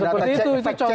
nah seperti itu